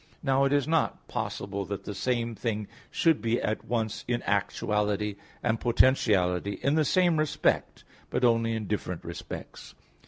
Now it is not possible that the same thing should be at once in actuality and potentiality in the same respect, but only in different respects.